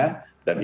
dan ini adalah